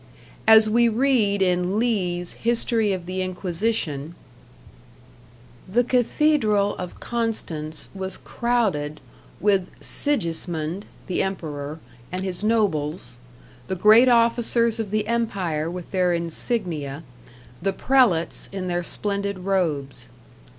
As we read in Lea's "History of the Inquisition": The cathedral of Constance was crowded with Sigismund (the Emperor) and his nobles, the great officers of the empire with their insignia, the prelates in their splendid robes.